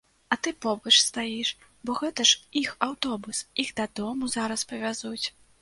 А ты побач стаіш, бо гэта ж іх аўтобус, іх дадому зараз павязуць.